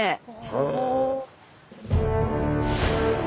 へえ。